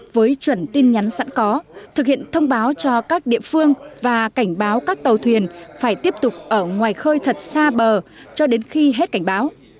với chuẩn tin nhắn sẵn có thực hiện thông báo cho các địa phương và cảnh báo các tàu thuyền phải tiếp tục ở ngoài khơi thật xa bờ cho đến khi hết cảnh báo